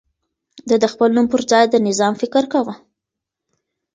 ده د خپل نوم پر ځای د نظام فکر کاوه.